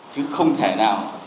chứ không thể nào